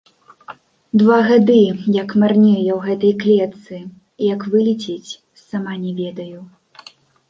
Два гады, як марнею я ў гэтай клетцы, і як вылецець, сама не ведаю.